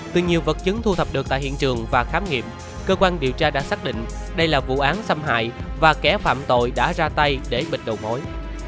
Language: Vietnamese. từ nhiều vật chứng thu thập được tại hiện trường và khám nghiệm cơ quan điều tra đã xác định đây là vụ án xâm hại và kẻ phạm tội đã ra tay để bịt đầu mối